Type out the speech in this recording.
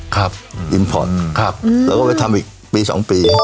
ครับอืมอิมพอร์ตเราก็ไปทำอีกปี๒ปี